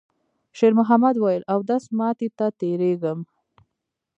شېرمحمد وویل: «اودس ماتی ته تېرېږم.»